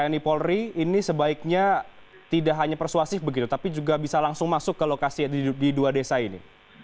tni polri ini sebaiknya tidak hanya persuasif begitu tapi juga bisa langsung masuk ke lokasi di dua desa ini